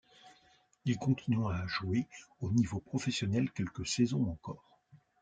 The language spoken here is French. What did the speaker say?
Il continua à jouer au niveau professionnel quelques saisons encore.